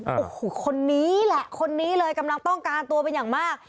โอ้โหคนนี้แหละคนนี้เลยกำลังต้องการตัวเป็นอย่างมาก